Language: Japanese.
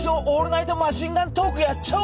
オールナイトマシンガントークやっ